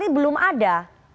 ini belum ada